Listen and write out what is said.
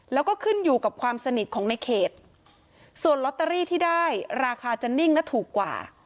แล้วก็ขึ้นอยู่กับความสนิทของในเขตส่วนลอตเตอรี่ที่ได้ราคาจะนิ่งและถูกกว่า